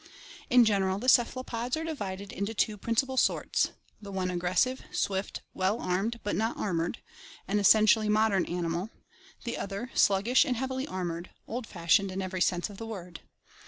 In general the cephalopods are divided into two principal sorts, the one aggressive, swift, well armed but not armored — an essen tially modern animal; the other sluggish and heavily armored — old fashioned in every sense of the word.